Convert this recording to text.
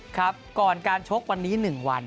ครับก่อนการชกวันนี้๑วัน